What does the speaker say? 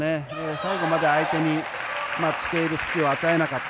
最後まで相手に付け入る隙を与えなかった。